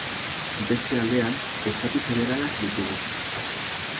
Beste aldean, estatu federalak ditugu.